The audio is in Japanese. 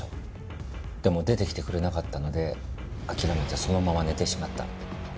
でも出てきてくれなかったので諦めてそのまま寝てしまった。